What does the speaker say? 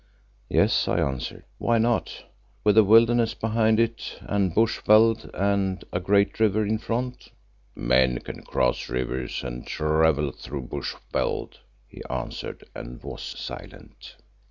"Yes," I answered, "why not, with a wilderness behind it and bush veld and a great river in front?" "Men can cross rivers and travel through bush veld," he answered, and was silent.